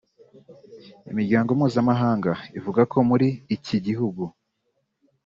Imiryango mpuzamahanga ivuga ko muriiki gihugu